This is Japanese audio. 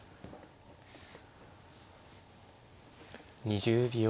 ２０秒。